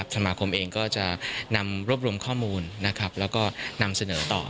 สมาคมเองก็จะนำรวบรวมข้อมูลแล้วก็นำเสนอต่อ